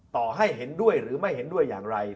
ต่อให้เห็นด้วยหรือไม่เห็นด้วยอย่างไร